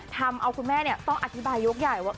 ทำเอาคุณแม่ต้องอธิบายยกใหญ่ว่า